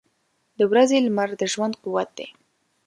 • د ورځې لمر د ژوند قوت دی.